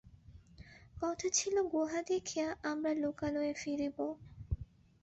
কথা ছিল গুহা দেখিয়া আমরা লোকালয়ে ফিরিব।